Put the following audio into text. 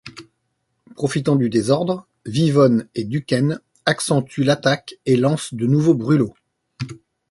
Profitant du désordre, Vivonne et Duquesne accentuent l’attaque et lancent de nouveaux brûlots.